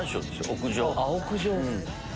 屋上。